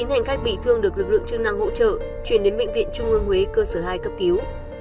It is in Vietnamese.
chín hành khách bị thương được lực lượng chức năng hỗ trợ chuyển đến bệnh viện trung ương huế cơ sở hai cấp cứu